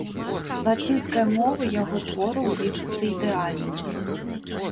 Лацінская мова яго твораў лічыцца ідэальнай.